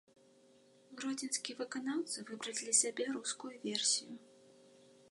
Гродзенскія выканаўцы выбралі для сябе рускую версію.